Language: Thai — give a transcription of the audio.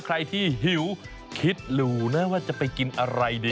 ใครที่หิวคิดหลู่นะว่าจะไปกินอะไรดี